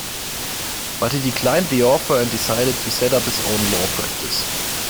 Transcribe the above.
But he declined the offer and decided to set up his own law practice.